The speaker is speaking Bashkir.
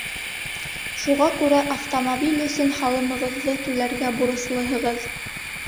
Шуға күрә автомобиль өсөн һалымығыҙҙы түләргә бурыслыһығыҙ.